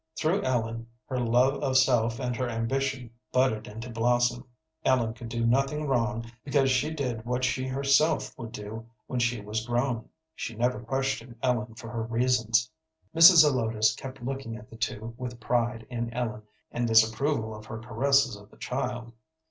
Through Ellen her love of self and her ambition budded into blossom. Ellen could do nothing wrong because she did what she herself would do when she was grown. She never questioned Ellen for her reasons. Mrs. Zelotes kept looking at the two, with pride in Ellen and disapproval of her caresses of the child.